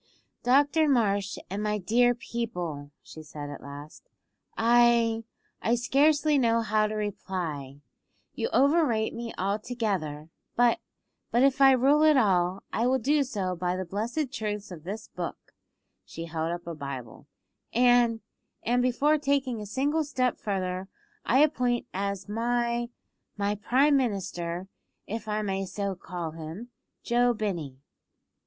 "Doctor Marsh, and my dear people," she said at last, "I I scarcely know how to reply. You overrate me altogether; but but, if I rule at all, I will do so by the blessed truths of this book (she held up a Bible); and and before taking a single step further I appoint as my my Prime Minister if I may so call him Joe Binney."